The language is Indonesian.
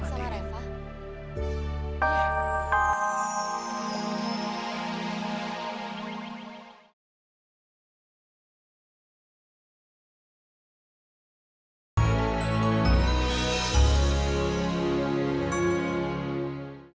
beberapa hari yang lalu saya